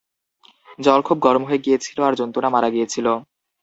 জল খুব গরম হয়ে গিয়েছিল আর জন্তুরা মারা গিয়েছিল।